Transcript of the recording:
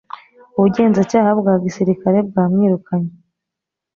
ubugenzacyaha bwa gisirikare bwa mwirukanye